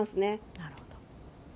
なるほど。